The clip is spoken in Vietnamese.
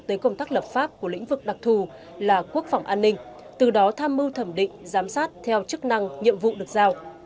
tới công tác lập pháp của lĩnh vực đặc thù là quốc phòng an ninh từ đó tham mưu thẩm định giám sát theo chức năng nhiệm vụ được giao